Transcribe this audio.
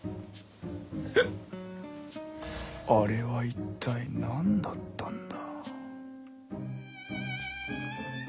あれは一体何だったんだ？